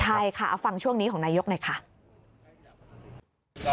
ใช่ค่ะเอาฟังช่วงนี้ของนายกหน่อยค่ะ